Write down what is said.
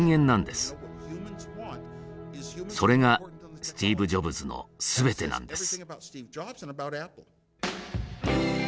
それがスティーブ・ジョブズの全てなんです。